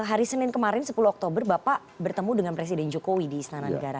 hari senin kemarin sepuluh oktober bapak bertemu dengan presiden jokowi di istana negara